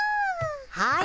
はい。